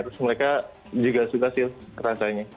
terus mereka juga suka sih rasanya